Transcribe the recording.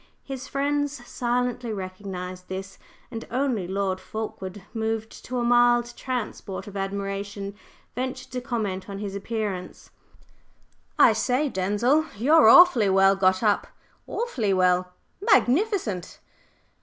His friends silently recognized this, and only Lord Fulkeward, moved to a mild transport of admiration, ventured to comment on his appearance. "I say, Denzil, you're awfully well got up! Awfully well! Magnificent!"